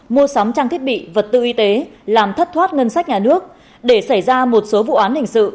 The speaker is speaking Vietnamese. mua sắm trang thiết bị vật tư y tế làm thất thoát ngân sách nhà nước để xảy ra một số vụ án hình sự